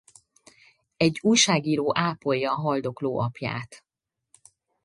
Egy újságíró ápolja a haldokló apját.